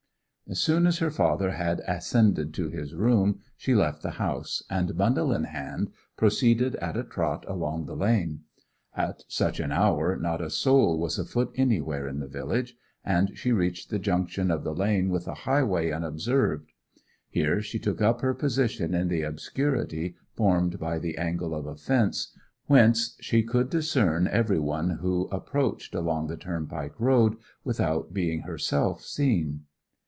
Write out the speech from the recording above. As soon as her father had ascended to his room she left the house, and, bundle in hand, proceeded at a trot along the lane. At such an hour not a soul was afoot anywhere in the village, and she reached the junction of the lane with the highway unobserved. Here she took up her position in the obscurity formed by the angle of a fence, whence she could discern every one who approached along the turnpike road, without being herself seen.